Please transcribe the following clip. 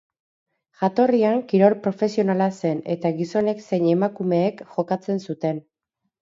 Jatorrian kirol profesionala zen eta gizonek zein emakumeek jokatzen zuten.